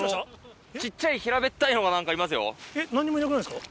えっ何にもいなくないですか？